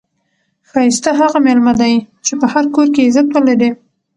ښایسته هغه میلمه دئ، چي په هر کور کښي عزت ولري.